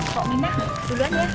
bu aminah duluan ya